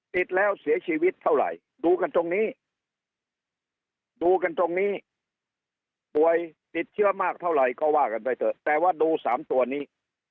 ติดแล้วเสียชีวิตเท่าไหร่ดูกันตรงนี้ดูกันตรงนี้ป่วยติดเชื้อมากเท่าไหร่ก็ว่ากันไปเถอะแต่ว่าดู๓ตัวนี้